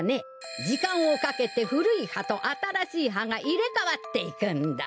じかんをかけてふるいはとあたらしいはがいれかわっていくんだ。